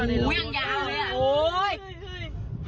หมูยังยาว